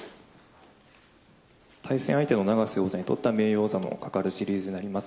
対戦相手の永瀬王座にとっては名誉王座もかかるシリーズになります。